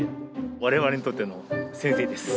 われわれにとっての先生です。